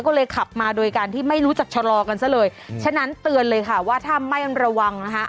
ก็เลยขับมาโดยการที่ไม่รู้จักชะลอกันซะเลยฉะนั้นเตือนเลยค่ะว่าถ้าไม่ระวังนะคะ